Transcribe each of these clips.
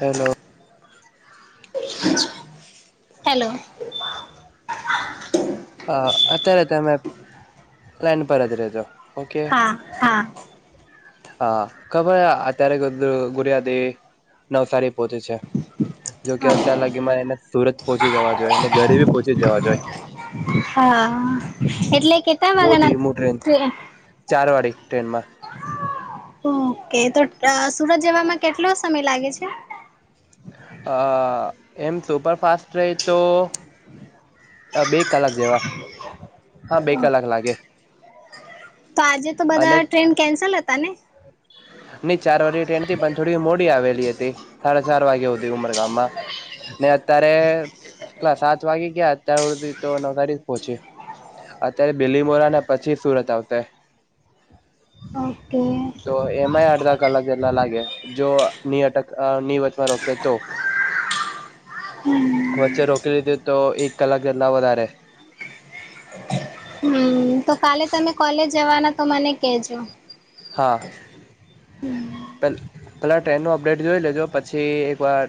Hello hello હ અત્યારેતમે line પર જ રતો ઓકે હા હા હા ખબર અત્યારે બધું ગુરિયા દે નવસારી પહોંચે છે જોકે અત્યાર લાગી મારે એને સુરત પહોંચી જવા જોઈએ અને ગરીબી પહોંચી જવા જોઈએ હા એટલે કેટલા બહુ વાગાના ધીમું ટ્રેન ચાર વાળી ટ્રેન માં ઓકે તો સુરત જવામાં કેટલો સમય લાગે છે અ એમ સુપરફાસ્ટ ર તો બે કલાક જેવા હા બે કલાક લાગે તો આજે તો અને બધા ટ્રેન કેન્સલ હતા ને નહી ચાર વાર ટ્રેન પણ થોડી મોડી આવેલી હતી સાડા ચાર વાગે ઉમરગામ માં ને અત્યારે કલા સાત વાગે ગયા અત્યારે સુધી તો નવ તારીખ પહોંચી અત્યારે બિલીમોરા ને પછી સુરત આવશે ઓકે તો એમાંય અડધા કલાક જેટલા લાગે જો અટક ની વચમાં રોકશે તો [inaudible] વચ્ચે રોકી લીધી તો એક કલાક જ વધારે હમ તો કાલે તમે કોલેજ જવાના તો મને કહેજો હા પ પહેલા ટ્રેનનો અપડેટ જોઈ લેજો પછી એકવાર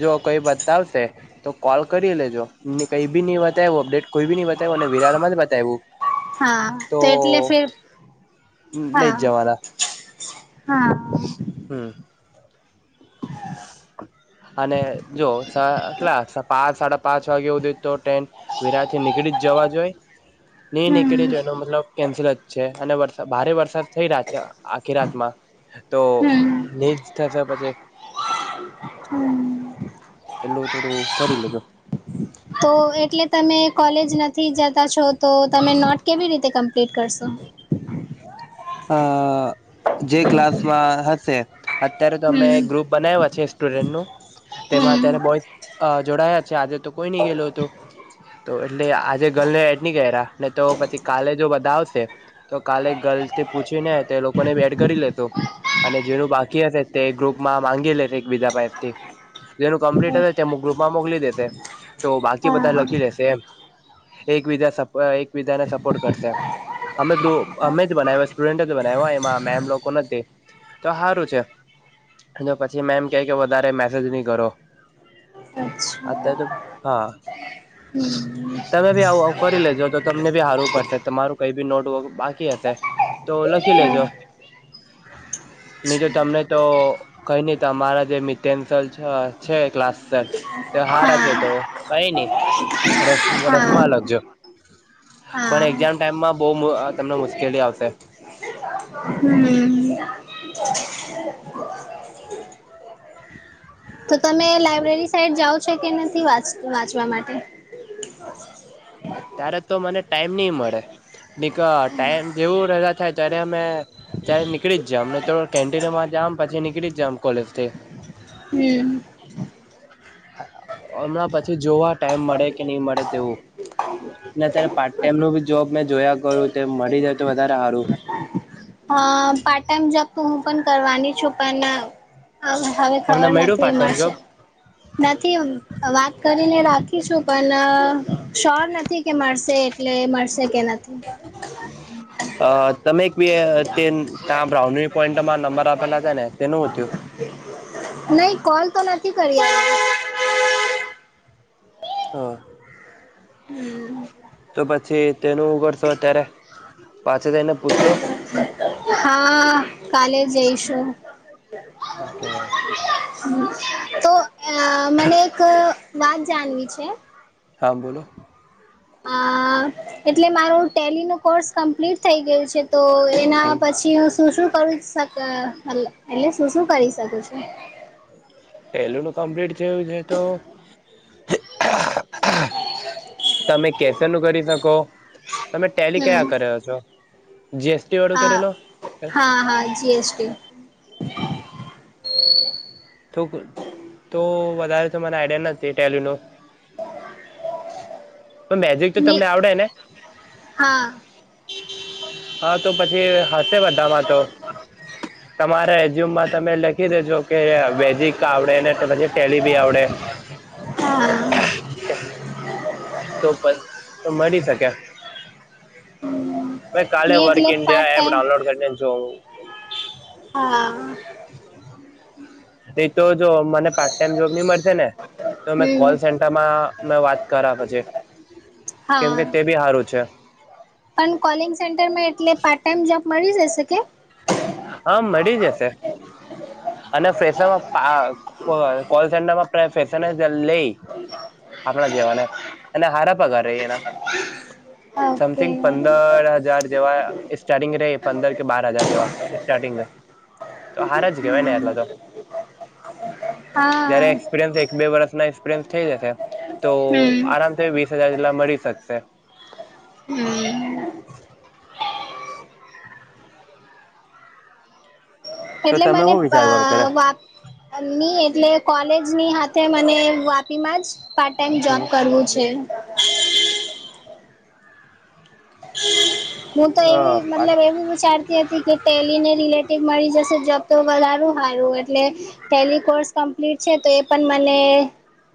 જો કોઈ બતાવશે તો કોલ કરી લેજો કઈ બી નઈ બતાવું અપડેટ કોઈ બી નઈ બવ્યું અને વિરાળમાં જ બતાવું હા તો એટલે ફિર નહી હા જવાલા હા હમ અને જો કટલા પાંચ સાડા પાંચ વાગેવું જોઈ તો ટ્રેન વિરાજ થી નીકળી જ જવા જોઈએ નહી હમ નીકળીયું તો એનો મતલબ કેન્સલ જ છે અને વર ભારે વરસાદ થઈ રહ્યા છે. આખી રાતમાં તો હમ જ થશે પછી [inaudible] પેલું થોડું કરીરી લેજો તો એટલે તમે કોલેજ નથી જતા છો તો તમે નોટ કેવી રીતે કમ્પ્લીટ કરશો આ જે ક્લાસમાં હશે અત્યારે તો અમે ગ્રુપ હમ બનાવ્યા છે સ્ટુડન્ટનું તેમાં તેને હમ બોયસ જોડાયા છે આજે તો કોઈ નહી ગયેલું હતું- તો એટલે આજે ગર્લને એડ નની ક્યા ને તો પછી કાલે જો બધા આવશે- તો કાલે ગલથી પૂછી ને તો એ લોકોને એડ કરી લેતો- અને જેનું બાકી હશે તે ગ્રુપ માં માંગી લેશે એક બીજા પથી- જેનું કમ્પ્લીટ હશે તેમ ગ્રુપમાં મોકલી દેશે તો બાકી બધા હા લખી લેશે એકબીજા એક બીજાને સપોર્ટ કરશે અમે ગૃ અમે જ બનાવી- ડ બનાવ એમાં મેમ લોકો નથી તો સારું છે. પછી મે એમ કે કે વધારે મેસેજ નહી કરો- અચ્છા અત્યારે તો હા હમ- તમે બી આવું આવ કરી લેજો તો તમને બી હારવું પડશે તમારું કઈ બી નોટવક બાકી હશે- તો લખી લેજો- હ [inaudible] નની તો તમને તો કઈ નહ તમારા જે મિટેન્સલ છે ક્લાસ- તે હારા છે હા તો કઈ નઈ રફ હા હા રફમાં લખજો- હા પણ હમ એક્ઝામ ટાઈમમાં બહુ તમને મુશ્કેલી આવશે- [inaudible] [inaudible] [inaudible] તો તમે લઇબ્રેરી સાઈડ જાઓ છો કે નથી વાંચ વાંચવા માટે- અત્યારે તો મને ટાઈમ નહ મળે- નનીક ટાઈમ જેવું રહા થાય ત્યારે અમે- ત્યારે નીકળી જ અને તો કેન્ટીનમાં જ પછી નીકળી જમ કોલેજ થી હમ હમણાં પછી જોવા ટાઈમ મળે કે નહી મળે તેવું- અત્યારે પાર્ટ ટાઈમ નું ભી જોબ મેં જોયા કરું તો મળી જાય તો વધારે સારું- હ પાર્ટ ટાઈમ જોબ તો હું પણ કરવાની છું પણ હવે તમને ખબર મળ્યું નથી પાર્ટ એ ટાઈમ મળશે. જોબ નથી વાત કરીને રાખીશું પણ શ્યોર નથી કે મળશે. એટલે એ મળશે કે નથી. અ તમે ત બ્રાઉ પોઈન્ટમાં નંબર આપેલા છે ને તેનું હતયું. નહી કોલ તો નથી કરી. હા! તો પછી તેનું કરશો અત્યારે પાછી જઈને પૂછશો. હા, કાલે જઈશું. ઓકે! હ તો મને એક વાત, જાણવી છે? હા બોલો. અ એટલે મારું ટેલી નો કોર્સ કમ્પ્લીટ થઈ ગયું છે. તો એના હમ પછી હું, શું શું કરું શક? એટલે શું શું કરી શકું છું? પેલું નું કમ્પ્લીટ થયું છે તો. [inaudible] તમે કેફે નું કરી શકો. તમે ટેલી કયા હમ કર્યો છો? જીએસટી વાળું હા કરેલું હા હા! જીએસટી. તોક તો વધારે તો મને આઈડિયા નથી ટેલ્યુ નુ. [inaudible] પણ મેજિક તો ની તમને આવડે ને? હા! હા તો પછી હશે બધામાં તો. તમારે એજ્યુમમાં તમે લખી દેજો કે. વેજીક આવડે ને ટેલી ભી આવડે. હા તો મળી શકે. ભાઈ કાલે ની વર્ક એટલે part India app time download કરીને જોવુ. હા! એ તો જો મને પાર્ટ ટાઈમ જોબ ની મળશે ને, તો મે કોલ હમ સે. માં મેં વાત કર્યા પછી, કેમ હા કે તે બી સારું છે. પણ કોલિંગ સેન્ટરમાં એટલે, પાર્ટ ટાઈમ જોબ મળી જશે કે? હા મળી જશે. અને ફસમાં કોલ સેન્ટરમાં ફસરને લઈ. આપણા જેવાને. અને હાર પગા રહી એના. ઓકે સમથિંગ પંદર હજાર જેવા સ્ટાર્ટિંગ રહે. પંદર કે બાર હજાર જેવા. સ્ટાર્ટિંગ તો. હાર જ કેવાય ને એટલા તો. હા જયારે એક્સપિરિયન્સ એક બે વર્ષના એક્સપિરિયન્સ થઈ જશે તો હમ આરામથી વીસ હજાર જેટલા મળી શકશે. હમ્મ તો એટલે તમે મને શું વિચાર કરો ત્યારે વા. ની એટલે કોલેજની હાથે મને વાપી માંજ. પાર્ટ ટાઈમ જોબ હું કરવું છે. હું તો અ એવી પાર્ટ મતલબ એવું વિચારતી. ટેને રિલેટ મળી જશે જો તો વધારું સારું. એટલે ટેલી કોર્સ. ક્પ્લીટ છે તો. એ પણ મને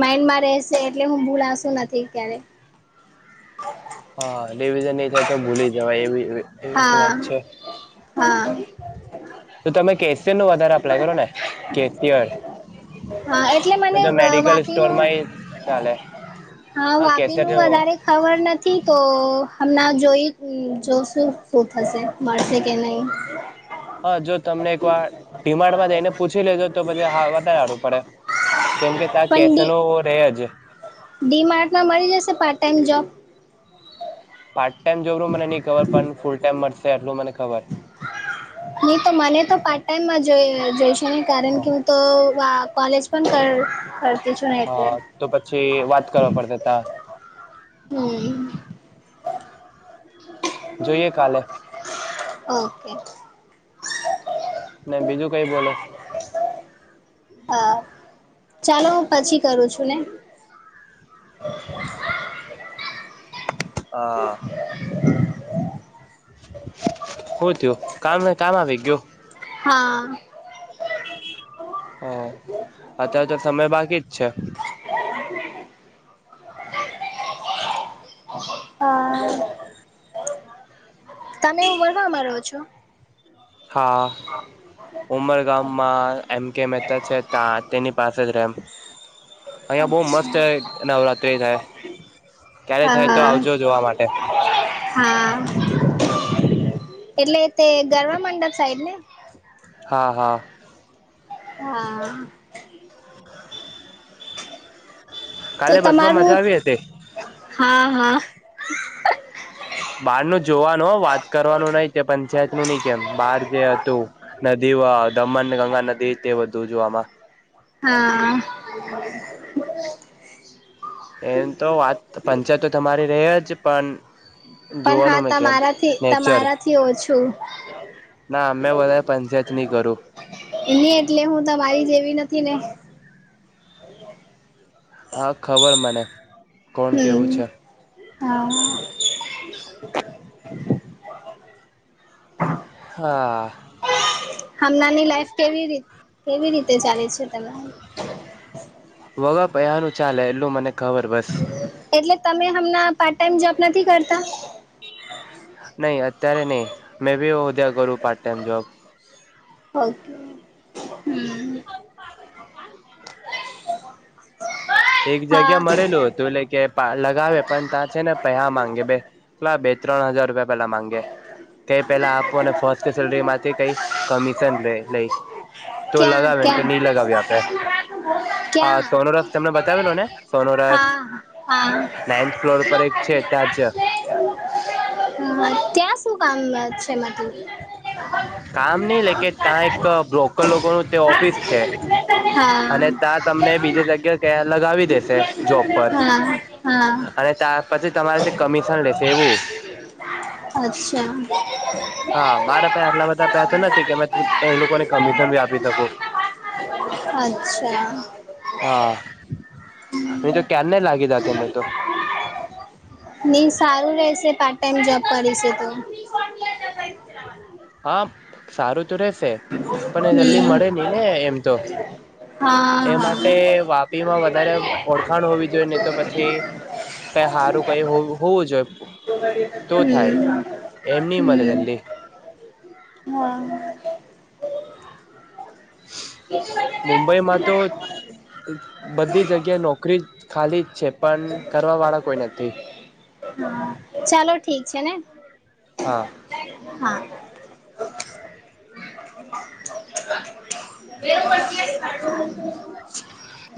માઈન્ડમાં રહેશે. એટલે હું ભૂલાશું નથી ક્યારે. હા એવીજ નહી થાય તો ભૂલી જવાય. એવી એવી તો હા વાત છે. હા! તો તમે કેશિયર નું વધારે અપ્લાય કરો ને કેસિયર. હા એટલે મને વાપીનું. સ્ટોરમાં એ ચાલે હા વાપી કેશિયર નું જેવો વધારે. ખબર નથી તો હમણાં જોઈ જોશું શું થશે મળશે કે નહીં. હા જો તમને એક વાર ભીમાડમાં જઈને પૂછી લેજો તો પછી હા વધારે આવડવું પડે. કેમ કે ત પણ ડી કેસનો રે જ ડી માર્ટમાં મળી જશે part time job part time job નુ મને નહી ખબર પણ ફૂલ ટાઈમ મળશે એટલું મને ખબર નહી તો મને તો પાર્ટ ટાઈમમાં જોઈશે ને કારણ હ કે તો વા કોલેજ પણ કર કર હા તો પછી વાત કરવા પડતા ત હમ્મ જોઈએ કાલે ઓકે ના બીજું કઈ બોલો હ ચાલો હું પછી કરું છું ને [inaudible] હા શું થયું કામ કામ આવી ગયો. હા હા અત્યારે તો સમય બાકી જ છે. હ તમે ઉંમરગામ મા રહો છો. હા ઉમરગામમાં એમ કે મહેતા છે ત તેની પાસે જ રેમ અહિયાં બહુ અચ્છા મસ્ત નવરાત્રિ થાય. ક્યારે થાય તો હા આવજો જોવા માટે. હા એટલે તે ગરવા મંડપ સાઈડ ને હા હા હા બ તો તમારું મજા આવી હતી હા હા બહાર ન જોવાનું વાત કરવાનું નહ તે પંચાયત નું નહ કેમ બહાર જે હતું. નદી દમણ ગંગા નદી તે બધું જોવામાં. હા [inaudible] એમ તો વાત પંચર તો તમારી ર જ પણ પણ હા જોવાનું મેં કેમ તમારાથી નેચર તમારાથી ઓછું. ના અમે વધારે પંચાયત નહી કરું ને એટલે હું તો મારી જેવી નથી ને હા ખબર મને કોણ કેવું હમ છે હા [inaudible] હા હમણાંની લાઈફ કેવી ર કેવી રીતે ચાલે છે ત વગ પયાનું ચાલે એટલું મને ખબર બ એટલે તમે હમણા પાર્ટ ટાઈમ જોબ નથી કરતા. નહી અત્યારે નહી મેં બી એ વધ્યા કરું પાર્ટ ટાઈમ જોબ ઓકે હમ એક જગ્યા હા મળેલું હતું એટલે કે લગાવે પણ ત્યાં છે ને પેહ માંગે બે પલા બે ત્રણ હજાર રૂપિયા પેલા માંગે કઈ પેલા આપોને ફસ્ટ સેલરી માંથી કઈ કમિશન લે લઈ તો ક્યાં લગાવે ને તો ક્યાં નહી લગાવી આપે આ ક્યાં સોનો રસ તમને બતાવેલો ને સોનો હા રસ હા નાઈન્થ ફ્લોર પર એક છે હ ત્યાં જ ત્યાં શું કામ છેમાં તું લોકો નું તેઓફિસ છે હા અને ત્યા તમને બીજ જગ્યા ક્યા લગાવી દેશે જોબ પર હા અને ત્યાર પછી તમારે કમિશન લેશે એવું અચ્છા હા મારા પસે આટલા બધા પેસા નથી કે અમે એ લોકોને કમિશન બી આપી શકું અચ્છા હા ન તો ક્યાને લાગી જ ત મેં તો મિન્સ સારું રહેશે પાર્ટ ટાઈમ જોબ કરીશે તો હા સારું તો રેશે પણ જલ્દી હમ્મ મળે નહી ને એમ તો હા એ હા. માટે વાપીમાં વધારે ઓળખાણ હોવી જોઈએ ને તો પછી કઈ સારું કઈ હોવું જોઈએ તો થાય હમ્મ એમ નહી મળે જલ્દી હ મુંબઈમાં તો એ ફ્રીજ ખાલી જ છે પણ કરવાવાળા કોઈ નથી. હા, ચાલો ઠીક છે ને. હા હા [inaudible] [inaudible]